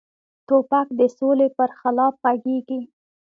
توپک د سولې پر خلاف غږیږي.